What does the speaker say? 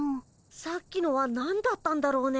さっきのは何だったんだろうね。